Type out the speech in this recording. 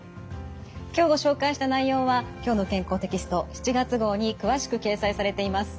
今日ご紹介した内容は「きょうの健康」テキスト７月号に詳しく掲載されています。